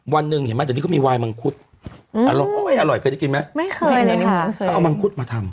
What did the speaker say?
วันหนึ่งเห็นไหมเดี๋ยวนี้เขามีวายมังคุดอร้อยอร่อยเคยได้กินไหมไม่เคยเลยนะคะเขาเอามังคุดมาทำ